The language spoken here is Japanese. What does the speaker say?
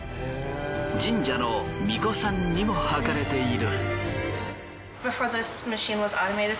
神社の巫女さんにも履かれている。